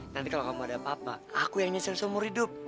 nanti kalau kamu ada papa aku yang nyisil seumur hidup